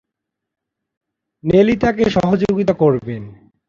নেলি তাকে সহযোগিতা করবেন।